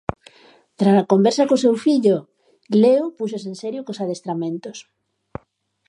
Trala conversa co seu fillo, Leo púxose en serio cos adestramentos.